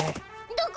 どこ？